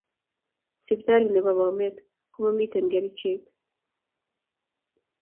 sipitali ne bo Bomet komamiten kerichek